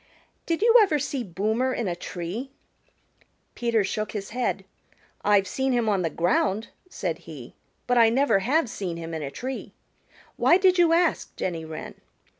Did you ever see Boomer in a tree?" Peter shook his head. "I've seen him on the ground," said he, "but I never have seen him in a tree. Why did you ask, Jenny Wren?"